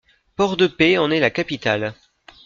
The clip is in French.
Port-de-Paix en est la capitale.